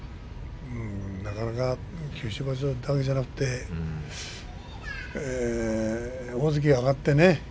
なかなか九州場所だけでなくて大関上がってね